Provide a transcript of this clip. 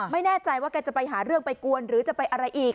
ไม่แน่ใจว่าแกจะไปหาเรื่องไปกวนหรือจะไปอะไรอีก